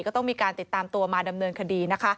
ก็ต้องมีการติดตามตัวมาดำเนินคดีนะคะ